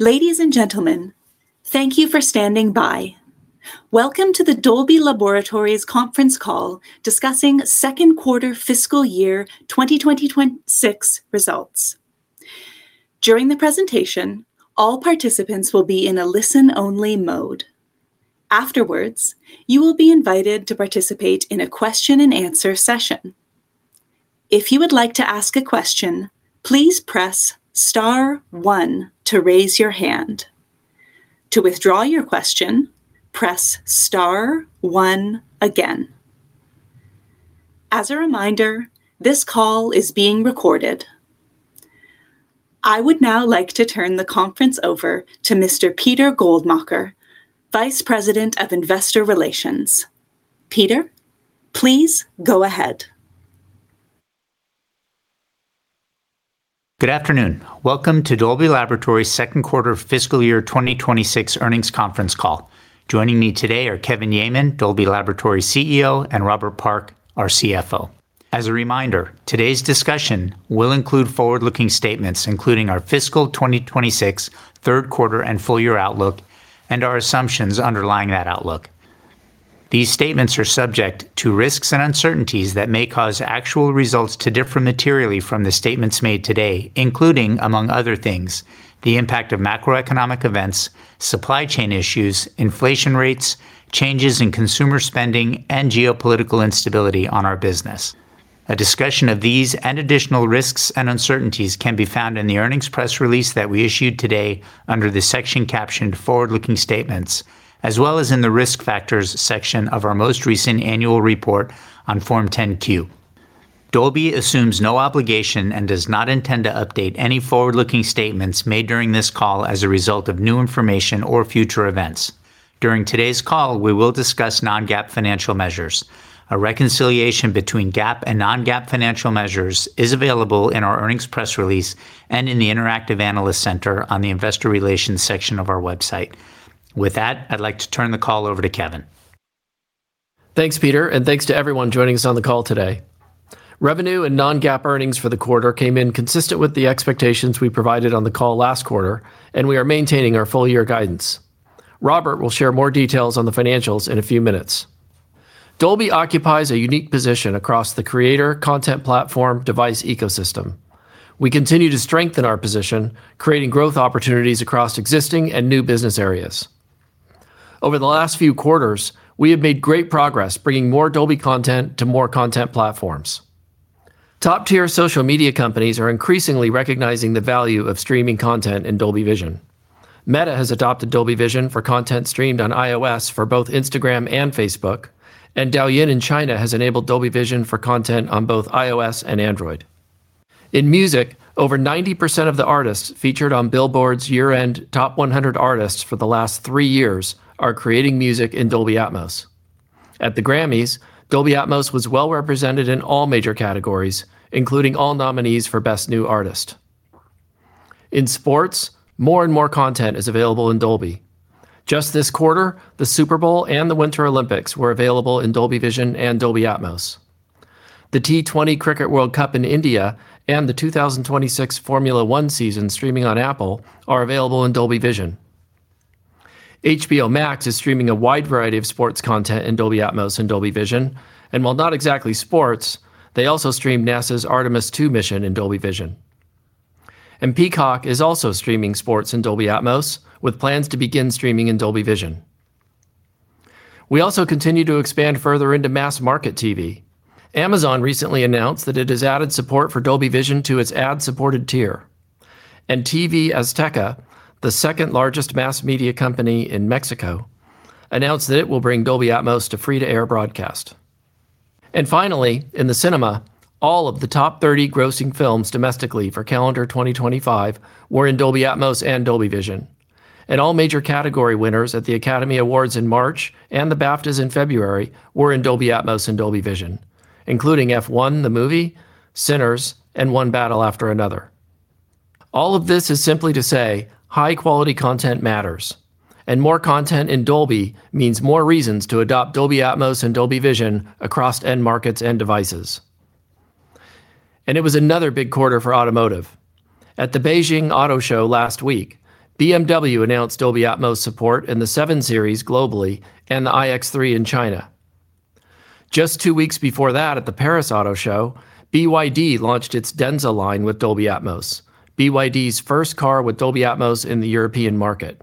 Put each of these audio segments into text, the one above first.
Ladies and gentlemen, thank you for standing by. Welcome to the Dolby Laboratories conference call discussing Q2 fiscal year 2026 results. During the presentation, all participants will be in a listen only mode. Afterwards, you will be invited to participate in a question and answer session. If you would like to ask a question, please press star one to raise your hand. To withdraw your question, press star one again. As a reminder, this call is being recorded. I would now like to turn the conference over to Mr. Peter Goldmacher, Vice President of Investor Relations. Peter, please go ahead. Good afternoon. Welcome to Dolby Laboratories Q2 fiscal year 2026 earnings conference call. Joining me today are Kevin Yeaman, Dolby Laboratories CEO, and Robert Park, our CFO. As a reminder, today's discussion will include forward-looking statements, including our fiscal 2026 third quarter and full year outlook, and our assumptions underlying that outlook. These statements are subject to risks and uncertainties that may cause actual results to differ materially from the statements made today, including, among other things, the impact of macroeconomic events, supply chain issues, inflation rates, changes in consumer spending, and geopolitical instability on our business. A discussion of these and additional risks and uncertainties can be found in the earnings press release that we issued today under the section captioned Forward-Looking Statements, as well as in the Risk Factors section of our most recent annual report on Form 10-Q. Dolby assumes no obligation and does not intend to update any forward-looking statements made during this call as a result of new information or future events. During today's call, we will discuss non-GAAP financial measures. A reconciliation between GAAP and non-GAAP financial measures is available in our earnings press release and in the interactive analyst center on the investor relations section of our website. With that, I'd like to turn the call over to Kevin. Thanks, Peter, thanks to everyone joining us on the call today. Revenue and non-GAAP earnings for the quarter came in consistent with the expectations we provided on the call last quarter, and we are maintaining our full year guidance. Robert will share more details on the financials in a few minutes. Dolby occupies a unique position across the creator content platform device ecosystem. We continue to strengthen our position, creating growth opportunities across existing and new business areas. Over the last few quarters, we have made great progress bringing more Dolby content to more content platforms. Top-tier social media companies are increasingly recognizing the value of streaming content in Dolby Vision. Meta has adopted Dolby Vision for content streamed on iOS for both Instagram and Facebook, and Douyin in China has enabled Dolby Vision for content on both iOS and Android. In music, over 90% of the artists featured on Billboard's year-end top 100 artists for the last 3 years are creating music in Dolby Atmos. At the Grammys, Dolby Atmos was well-represented in all major categories, including all nominees for Best New Artist. In sports, more and more content is available in Dolby. Just this quarter, the Super Bowl and the Winter Olympics were available in Dolby Vision and Dolby Atmos. The ICC Men's T20 World Cup in India and the 2026 Formula One season streaming on Apple are available in Dolby Vision. HBO Max is streaming a wide variety of sports content in Dolby Atmos and Dolby Vision. While not exactly sports, they also stream NASA's Artemis II mission in Dolby Vision. Peacock is also streaming sports in Dolby Atmos, with plans to begin streaming in Dolby Vision. We also continue to expand further into mass market TV. Amazon recently announced that it has added support for Dolby Vision to its ad-supported tier. TV Azteca, the second-largest mass media company in Mexico, announced that it will bring Dolby Atmos to free-to-air broadcast. Finally, in the cinema, all of the top 30 grossing films domestically for calendar 2025 were in Dolby Atmos and Dolby Vision. All major category winners at the Academy Awards in March and the BAFTAs in February were in Dolby Atmos and Dolby Vision, including F1: The Movie, Sinners, and One Battle After Another. All of this is simply to say high quality content matters, and more content in Dolby means more reasons to adopt Dolby Atmos and Dolby Vision across end markets and devices. It was another big quarter for automotive. At the Beijing Auto Show last week, BMW announced Dolby Atmos support in the seven Series globally and the iX3 in China. Just two weeks before that, at the Paris Auto Show, BYD launched its Denza line with Dolby Atmos, BYD's first car with Dolby Atmos in the European market.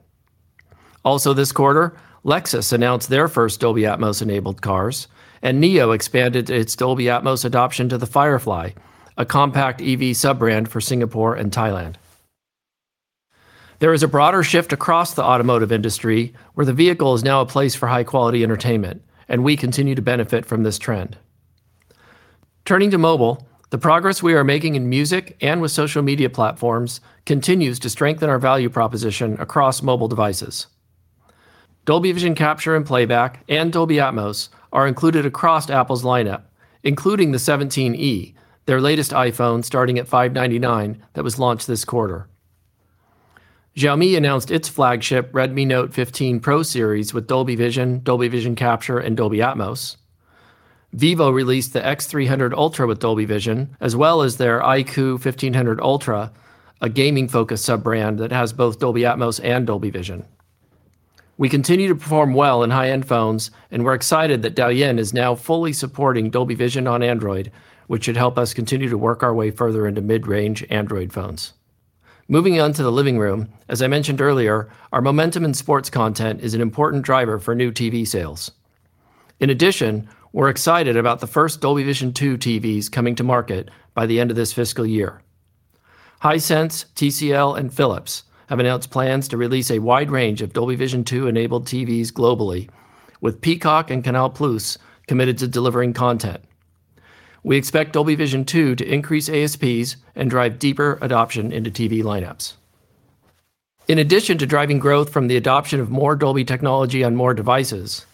Also this quarter, Lexus announced their first Dolby Atmos-enabled cars, and NIO expanded its Dolby Atmos adoption to the Firefly, a compact EV sub-brand for Singapore and Thailand. There is a broader shift across the automotive industry where the vehicle is now a place for high-quality entertainment, and we continue to benefit from this trend. Turning to mobile, the progress we are making in music and with social media platforms continues to strengthen our value proposition across mobile devices. Dolby Vision capture and playback and Dolby Atmos are included across Apple's lineup, including the seventeen E, their latest iPhone starting at $599 that was launched this quarter. Xiaomi announced its flagship Redmi Note 15 Pro series with Dolby Vision, Dolby Vision Capture, and Dolby Atmos. Vivo released the X300 Ultra with Dolby Vision, as well as their iQOO 15 Ultra, a gaming-focused sub-brand that has both Dolby Atmos and Dolby Vision. We continue to perform well in high-end phones, and we're excited that Dalian is now fully supporting Dolby Vision on Android, which should help us continue to work our way further into mid-range Android phones. Moving on to the living room, as I mentioned earlier, our momentum in sports content is an important driver for new TV sales. In addition, we're excited about the first Dolby Vision 2 TVs coming to market by the end of this fiscal year. Hisense, TCL, and Philips have announced plans to release a wide range of Dolby Vision 2-enabled TVs globally, with Peacock and Canal+ committed to delivering content. We expect Dolby Vision 2 to increase ASPs and drive deeper adoption into TV lineups. In addition to driving growth from the adoption of more Dolby technology on more devices,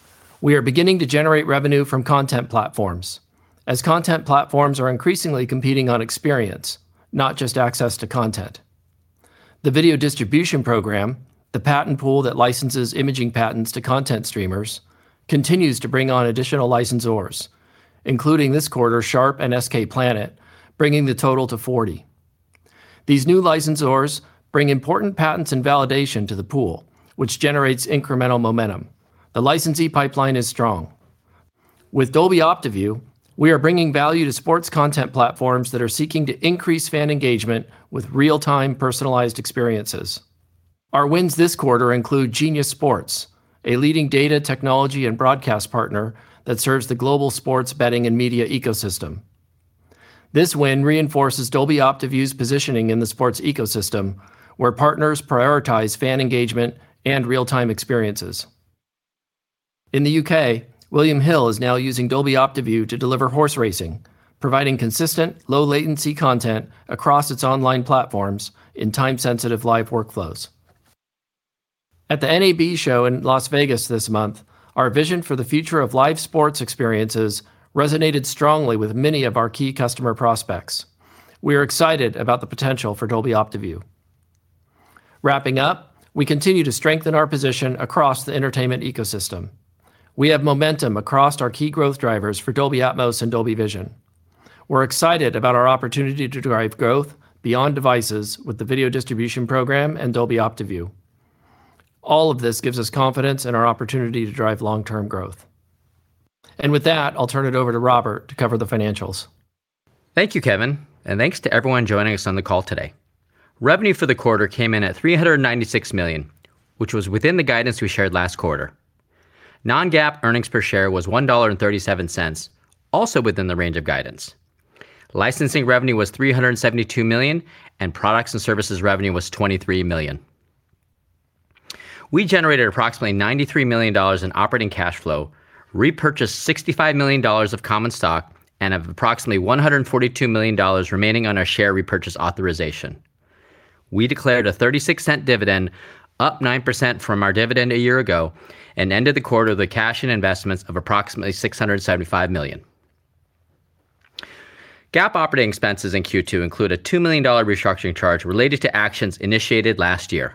we are beginning to generate revenue from content platforms as content platforms are increasingly competing on experience, not just access to content. The video distribution program, the patent pool that licenses imaging patents to content streamers, continues to bring on additional licensors, including this quarter, Sharp and SK Planet, bringing the total to 40. These new licensors bring important patents and validation to the pool, which generates incremental momentum. The licensee pipeline is strong. With Dolby OptiView, we are bringing value to sports content platforms that are seeking to increase fan engagement with real-time personalized experiences. Our wins this quarter include Genius Sports, a leading data technology and broadcast partner that serves the global sports betting and media ecosystem. This win reinforces Dolby OptiView's positioning in the sports ecosystem, where partners prioritize fan engagement and real-time experiences. In the U.K., William Hill is now using Dolby OptiView to deliver horse racing, providing consistent, low-latency content across its online platforms in time-sensitive live workflows. At the NAB show in Las Vegas this month, our vision for the future of live sports experiences resonated strongly with many of our key customer prospects. We are excited about the potential for Dolby OptiView. Wrapping up, we continue to strengthen our position across the entertainment ecosystem. We have momentum across our key growth drivers for Dolby Atmos and Dolby Vision. We're excited about our opportunity to drive growth beyond devices with the video distribution program and Dolby OptiView. All of this gives us confidence in our opportunity to drive long-term growth. With that, I'll turn it over to Robert to cover the financials. Thank you, Kevin. Thanks to everyone joining us on the call today. Revenue for the quarter came in at $396 million, which was within the guidance we shared last quarter. Non-GAAP earnings per share was $1.37, also within the range of guidance. Licensing revenue was $372 million, and products and services revenue was $23 million. We generated approximately $93 million in operating cash flow, repurchased $65 million of common stock, and have approximately $142 million remaining on our share repurchase authorization. We declared a $0.36 dividend, up 9% from our dividend a year ago, and ended the quarter with a cash and investments of approximately $675 million. GAAP operating expenses in Q2 include a $2 million restructuring charge related to actions initiated last year.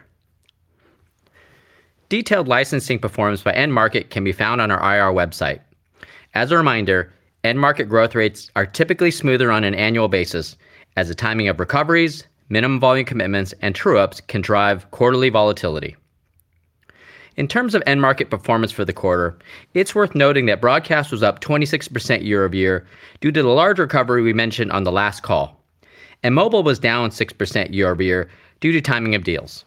Detailed licensing performance by end market can be found on our IR website. As a reminder, end market growth rates are typically smoother on an annual basis as the timing of recoveries, minimum volume commitments, and true-ups can drive quarterly volatility. In terms of end market performance for the quarter, it's worth noting that broadcast was up 26% year-over-year due to the large recovery we mentioned on the last call. Mobile was down 6% year-over-year due to timing of deals.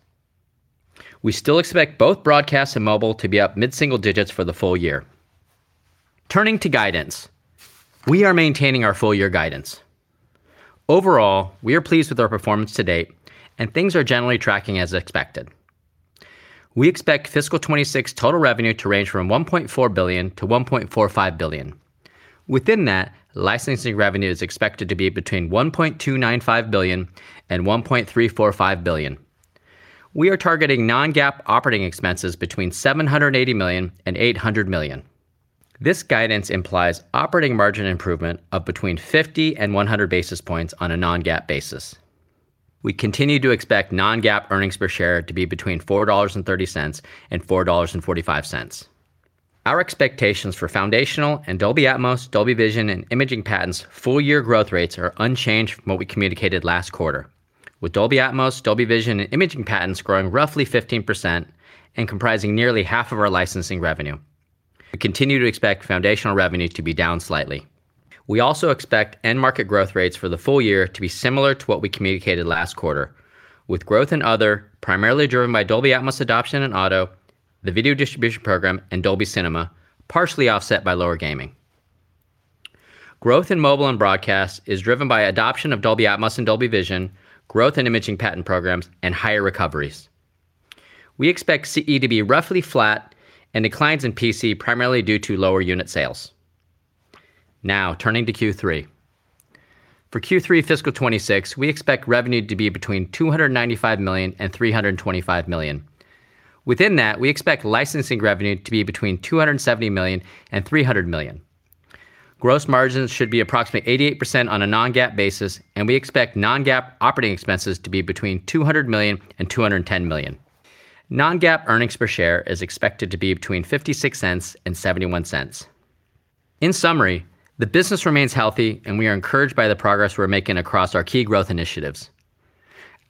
We still expect both broadcast and mobile to be up mid-single digits for the full year. Turning to guidance, we are maintaining our full year guidance. Overall, we are pleased with our performance to date and things are generally tracking as expected. We expect fiscal 2026 total revenue to range from $1.4 billion-$1.45 billion. Within that, licensing revenue is expected to be between $1.295 billion-$1.345 billion. We are targeting non-GAAP operating expenses between $780 million-$800 million. This guidance implies operating margin improvement of between 50-100 basis points on a non-GAAP basis. We continue to expect non-GAAP earnings per share to be between $4.30-$4.45. Our expectations for foundational and Dolby Atmos, Dolby Vision, and imaging patents full year growth rates are unchanged from what we communicated last quarter. With Dolby Atmos, Dolby Vision, and imaging patents growing roughly 15% and comprising nearly half of our licensing revenue. We continue to expect foundational revenue to be down slightly. We also expect end market growth rates for the full year to be similar to what we communicated last quarter, with growth in other, primarily driven by Dolby Atmos adoption in auto, the Video Distribution Program, and Dolby Cinema, partially offset by lower gaming. Growth in mobile and broadcast is driven by adoption of Dolby Atmos and Dolby Vision, growth in imaging patent programs, and higher recoveries. We expect CE to be roughly flat and declines in PC primarily due to lower unit sales. Now, turning to Q3. For Q3 fiscal 2026, we expect revenue to be between $295 million and $325 million. Within that, we expect licensing revenue to be between $270 million and $300 million. Gross margins should be approximately 88% on a non-GAAP basis. We expect non-GAAP operating expenses to be between $200 million and $210 million. Non-GAAP earnings per share is expected to be between $0.56 and $0.71. In summary, the business remains healthy and we are encouraged by the progress we're making across our key growth initiatives.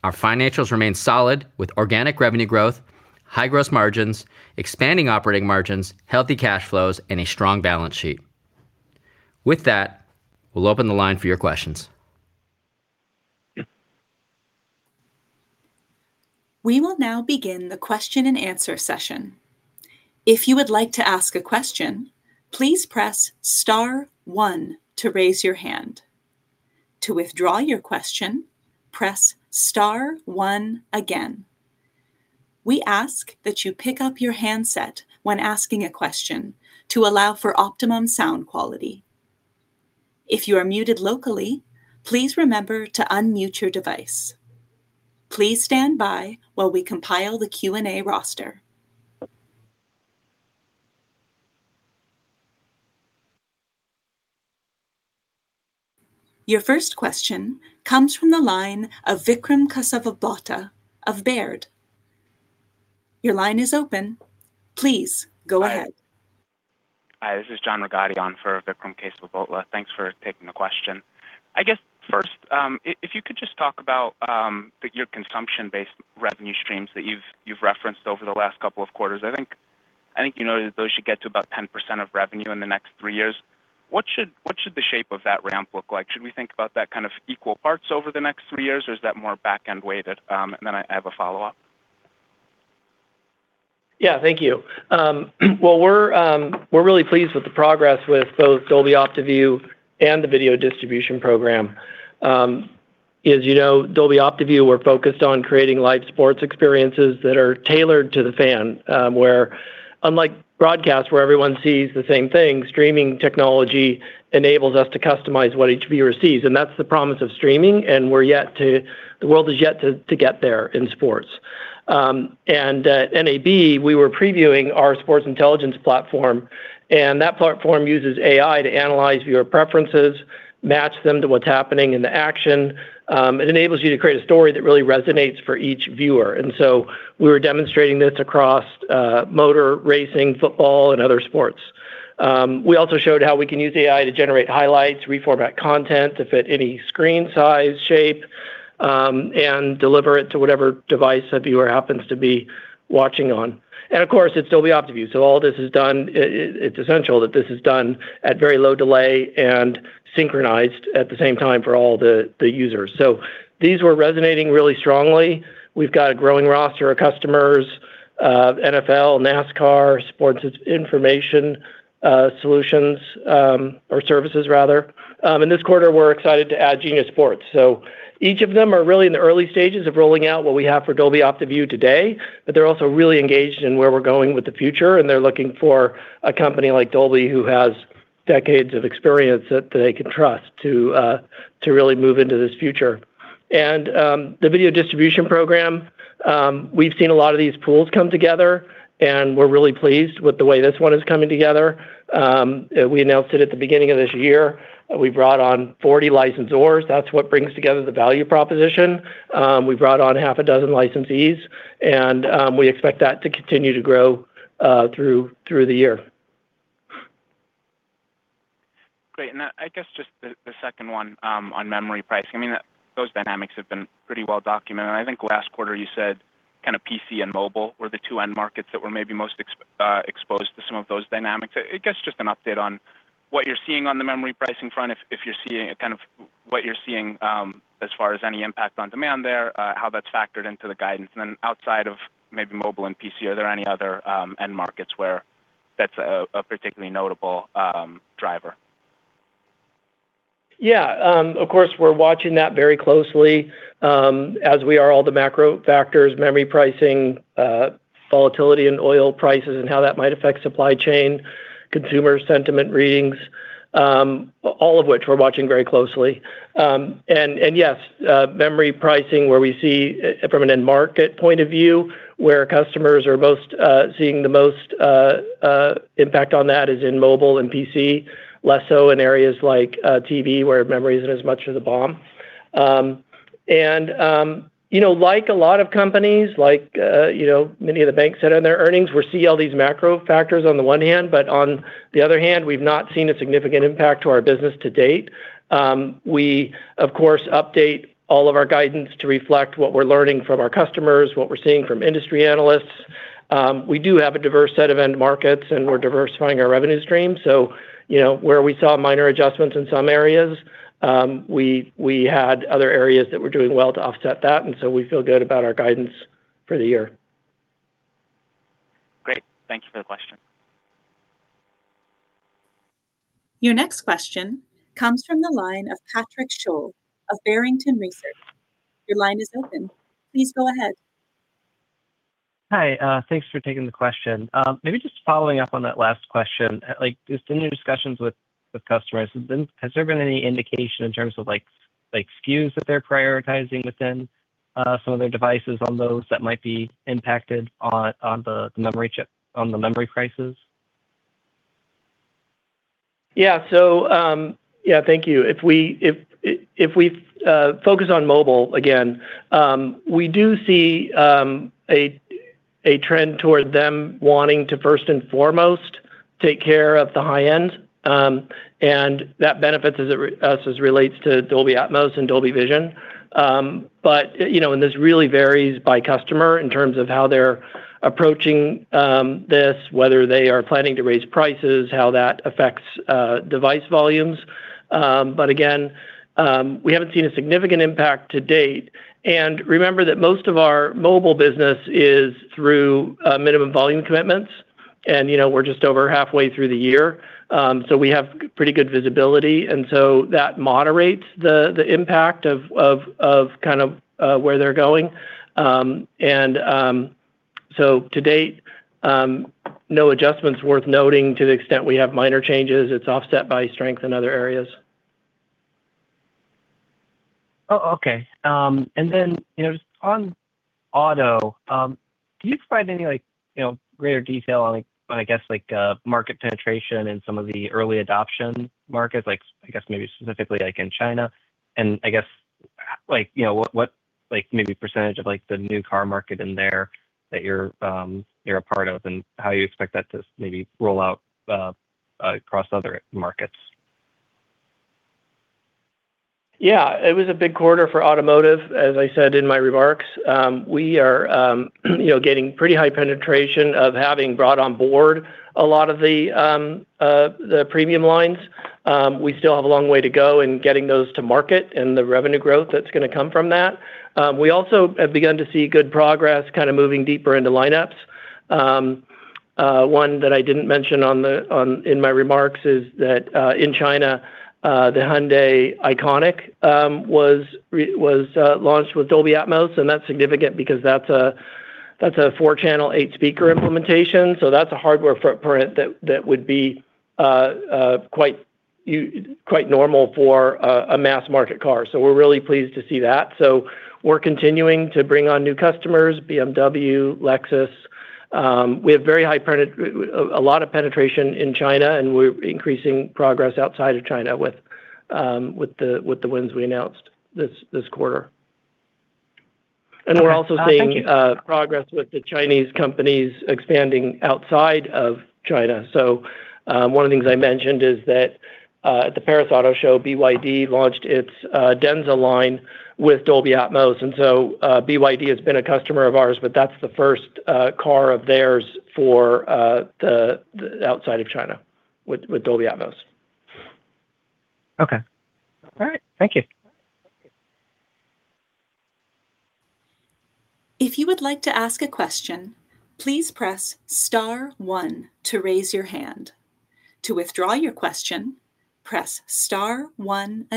Our financials remain solid with organic revenue growth, high gross margins, expanding operating margins, healthy cash flows, and a strong balance sheet. With that, we'll open the line for your questions. We will now begin the question-and-answer session. If you would like to ask a question, please press star one to raise your hand. To withdraw your question, press star one again. We ask that you pick up your handset when asking a question to allow for optimum sound quality. If you are muted locally, please remember to unmute your device. Please stand by while we compile the Q&A roster. Your first question comes from the line of Vikram Kesavabhotla of Baird. Your line is open. Please go ahead. Hi. Hi, this is John Gordinier for Vikram Kesavabhotla. Thanks for taking the question. I guess first, if you could just talk about the consumption-based revenue streams that you've referenced over the last couple of quarters. I think, you know, that those should get to about 10% of revenue in the next 3 years. What should the shape of that ramp look like? Should we think about that kind of equal parts over the next 3 years or is that more back-end weighted? I have a follow-up. Yeah. Thank you. Well, we're really pleased with the progress with both Dolby OptiView and the video distribution program. As you know, Dolby OptiView, we're focused on creating live sports experiences that are tailored to the fan. Where unlike broadcast where everyone sees the same thing, streaming technology enables us to customize what each viewer sees. That's the promise of streaming, and the world is yet to get there in sports. NAB, we were previewing our sports intelligence platform, and that platform uses AI to analyze viewer preferences, match them to what's happening in the action. It enables you to create a story that really resonates for each viewer. We were demonstrating this across motor racing, football, and other sports. We also showed how we can use AI to generate highlights, reformat content to fit any screen size, shape, and deliver it to whatever device a viewer happens to be watching on. Of course, it's Dolby OptiView, so all this is done, it's essential that this is done at very low delay and synchronized at the same time for all the users. These were resonating really strongly. We've got a growing roster of customers, NFL, NASCAR, sports information, solutions, or services rather. This quarter we're excited to add Genius Sports. Each of them are really in the early stages of rolling out what we have for Dolby OptiView today, but they're also really engaged in where we're going with the future, and they're looking for a company like Dolby who has decades of experience that they can trust to really move into this future. The Video Distribution Patent Pool, we've seen a lot of these pools come together, and we're really pleased with the way this one is coming together. We announced it at the beginning of this year. We brought on 40 licensors. That's what brings together the value proposition. We brought on half a dozen licensees and we expect that to continue to grow through the year. Great. I guess just the second one on memory pricing. I mean, those dynamics have been pretty well documented. I think last quarter you said kind of PC and mobile were the two end markets that were maybe most exposed to some of those dynamics. I guess just an update on what you're seeing on the memory pricing front. If you're seeing kind of what you're seeing as far as any impact on demand there, how that's factored into the guidance. Outside of maybe mobile and PC, are there any other end markets where that's a particularly notable driver? Yeah. Of course, we're watching that very closely, as we are all the macro factors, memory pricing, volatility in oil prices and how that might affect supply chain, consumer sentiment readings, all of which we're watching very closely. Yes, memory pricing where we see from an end market point of view, where customers are most seeing the most impact on that is in mobile and PC, less so in areas like TV where memory isn't as much of the BOM. You know, like a lot of companies, like, you know, many of the banks that are in their earnings, we see all these macro factors on the one hand. On the other hand, we've not seen a significant impact to our business to date. We of course update all of our guidance to reflect what we're learning from our customers, what we're seeing from industry analysts. We do have a diverse set of end markets, and we're diversifying our revenue stream. You know, where we saw minor adjustments in some areas, we had other areas that were doing well to offset that, and so we feel good about our guidance for the year. Great. Thank you for the question. Your next question comes from the line of Patrick Sholl of Barrington Research. Your line is open. Please go ahead. Hi. Thanks for taking the question. Maybe just following up on that last question. Like just in your discussions with customers, has there been any indication in terms of like SKUs that they're prioritizing within some of their devices on those that might be impacted on the memory prices? Yeah. Thank you. If we focus on mobile again, we do see a trend toward them wanting to first and foremost take care of the high-end. That benefits us as relates to Dolby Atmos and Dolby Vision. You know, this really varies by customer in terms of how they're approaching this, whether they are planning to raise prices, how that affects device volumes. Again, we haven't seen a significant impact to date. Remember that most of our mobile business is through minimum volume commitments. You know, we're just over halfway through the year. We have pretty good visibility. That moderates the impact of kind of where they're going. To date, no adjustments worth noting to the extent we have minor changes. It's offset by strength in other areas. Oh, okay. You know, just on auto, do you provide any like, you know, greater detail on like, I guess, like, market penetration in some of the early adoption markets? I guess maybe specifically like in China, I guess like, you know, what like maybe percentage of like the new car market in there that you're a part of, and how you expect that to maybe roll out across other markets? It was a big quarter for automotive, as I said in my remarks. We are, you know, getting pretty high penetration of having brought on board a lot of the premium lines. We still have a long way to go in getting those to market and the revenue growth that's going to come from that. We also have begun to see good progress kind of moving deeper into lineups. One that I didn't mention in my remarks is that in China, the Hyundai IONIQ was launched with Dolby Atmos, and that's significant because that's a 4-channel, 8-speaker implementation, so that's a hardware footprint that would be quite normal for a mass market car. So we're really pleased to see that. We're continuing to bring on new customers, BMW, Lexus. We have a lot of penetration in China, and we're increasing progress outside of China with the wins we announced this quarter. Okay. Thank you. We're also seeing progress with the Chinese companies expanding outside of China. One of the things I mentioned is that at the Paris Motor Show, BYD launched its Denza line with Dolby Atmos. BYD has been a customer of ours, but that's the first car of theirs for the outside of China with Dolby Atmos. Okay. All right. Thank you. Your next question comes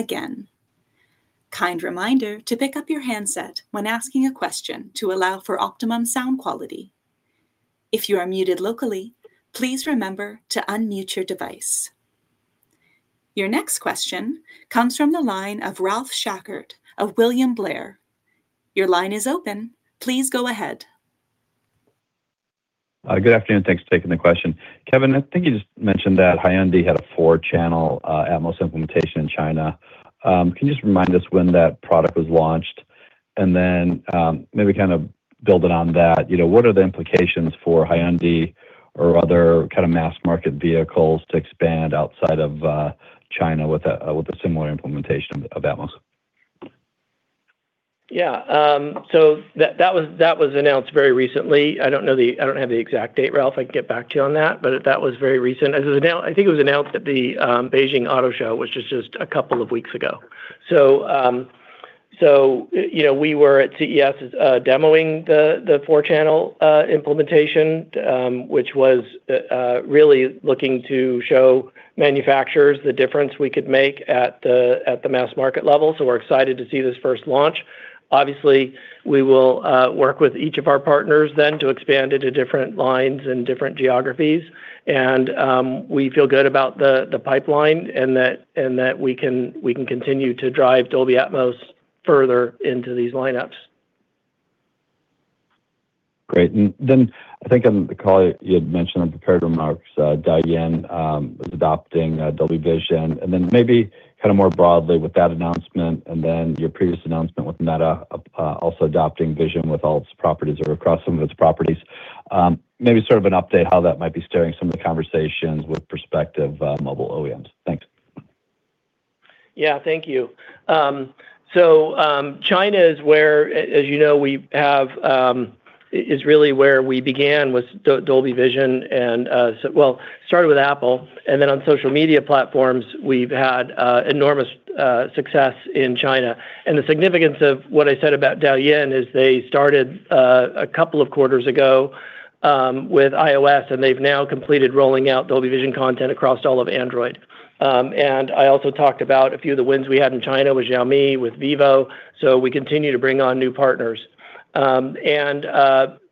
from the line of Ralph Schackart of William Blair. Your line is open. Please go ahead. Good afternoon. Thanks for taking the question. Kevin, I think you just mentioned that Hyundai had a 4-channel Atmos implementation in China. Can you just remind us when that product was launched? Then, maybe kind of building on that, you know, what are the implications for Hyundai or other kind of mass market vehicles to expand outside of China with a similar implementation of Atmos? Yeah. That was announced very recently. I don't have the exact date, Ralph. I can get back to you on that. That was very recent. I think it was announced at the Beijing Auto Show, which was just a couple of weeks ago. You know, we were at CES, demoing the four-channel implementation, which was really looking to show manufacturers the difference we could make at the mass market level. We're excited to see this first launch. Obviously, we will work with each of our partners then to expand into different lines and different geographies. We feel good about the pipeline and that we can continue to drive Dolby Atmos further into these lineups. Great. I think on the call you had mentioned in prepared remarks, Douyin was adopting Dolby Vision. Maybe kind of more broadly with that announcement and your previous announcement with Meta, also adopting Vision with all its properties or across some of its properties, maybe sort of an update how that might be steering some of the conversations with prospective mobile OEMs? Thanks. Yeah, thank you. China is where, as you know, we have, is really where we began with Dolby Vision. It started with Apple, and then on social media platforms we've had enormous success in China. The significance of what I said about Douyin is they started 2 quarters ago with iOS, and they've now completed rolling out Dolby Vision content across all of Android. I also talked about a few of the wins we had in China with Xiaomi, with Vivo, so we continue to bring on new partners.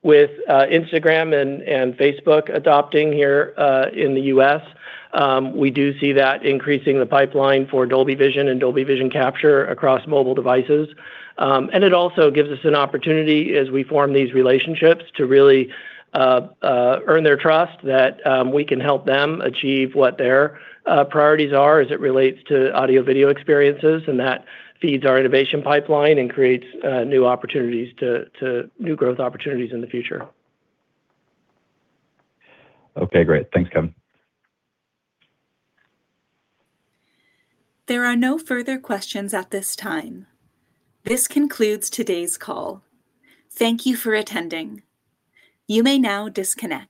With Instagram and Facebook adopting here in the U.S., we do see that increasing the pipeline for Dolby Vision and Dolby Vision capture across mobile devices. It also gives us an opportunity as we form these relationships to really earn their trust that we can help them achieve what their priorities are as it relates to audio-video experiences. That feeds our innovation pipeline and creates new opportunities to new growth opportunities in the future. Okay, great. Thanks, Kevin. There are no further questions at this time. This concludes today's call. Thank you for attending. You may now disconnect.